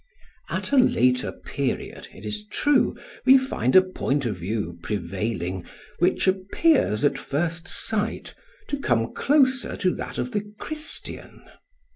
At a later period, it is true, we find a point of view prevailing which appears at first sight to come closer to that of the Christian.